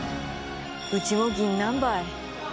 うちもぎんなんばい。